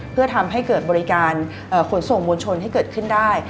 เพื่อทำให้เกิดบริการขนส่งมวลชนให้เกิดขึ้นได้